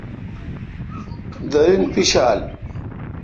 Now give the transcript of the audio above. درین پیڄھال۔